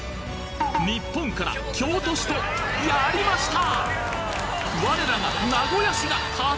ニッポンから京都市とやりました！